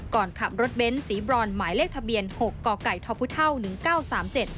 ก่อนขับรถเบ้นสีบรอนหมายเลขทะเบียนหกกไก่ทพหนึ่งเก้าสามเจ็ด